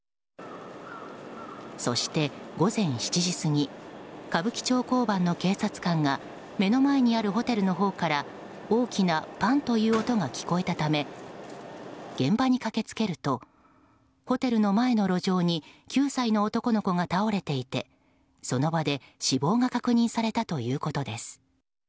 そして午前７時過ぎ歌舞伎町交番の警察官が目の前にあるホテルの法から大きなバンという音が聞こえたため現場に駆けつけるとホテルの前の路上に９歳の男の子が倒れていてその場で死亡が確認されたということです。